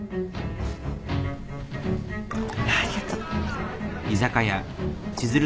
ありがとう。